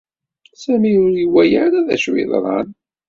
Sami ur iwala ara d acu i yeḍran.